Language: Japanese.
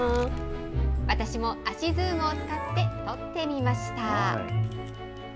私も足ズームを使って撮ってみました。